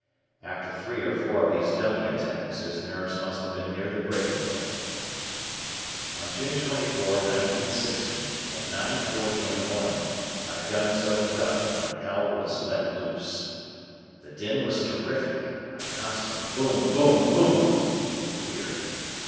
"} After three or four of these dummy attacks his nerves must have been near the breaking point. On June 24, 1916, at 9:40 in the morning our guns opened up, and hell was let loose. The din was terrific, a constant boom boom boom in your ear.